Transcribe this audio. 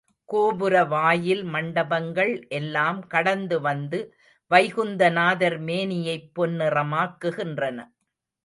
கோபுரவாயில் மண்டபங்கள் எல்லாம் கடந்து வந்து வைகுந்த நாதர் மேனியைப் பொன்னிறமாக்குகின்றன.